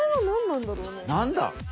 何だ？